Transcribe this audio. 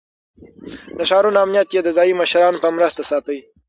د ښارونو امنيت يې د ځايي مشرانو په مرسته ساته.